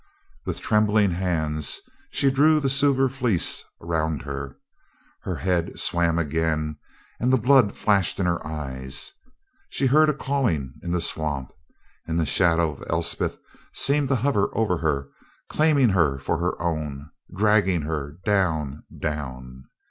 With trembling hands she drew the Silver Fleece round her. Her head swam again and the blood flashed in her eyes. She heard a calling in the swamp, and the shadow of Elspeth seemed to hover over her, claiming her for her own, dragging her down, down....